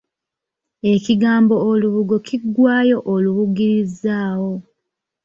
Ekigambo olubugo kiggwaayo Olubugirizaawo.